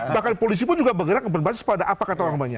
bahkan polisi pun juga bergerak berbasis pada apa kata orang banyak